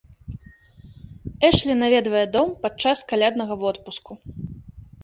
Эшлі наведвае дом падчас каляднага водпуску.